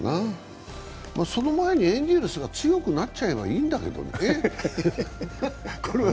その前にエンゼルスが強くなっちゃえばいいんだけどね。